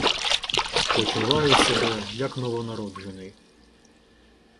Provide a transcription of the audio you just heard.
Почуваю себе як новонароджений.